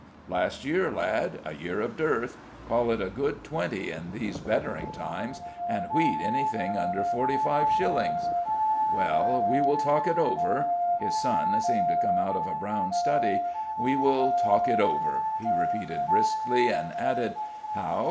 "Last year, lad a year of dearth. Call it a good twenty in these bettering times, and wheat anything under forty five shillings." "Well, we will talk it over." His son seemed to come out of a brown study. "We will talk it over," he repeated briskly, and added, "How?